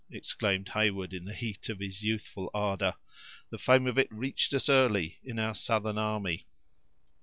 exclaimed Heyward, in the heat of his youthful ardor; "the fame of it reached us early, in our southern army."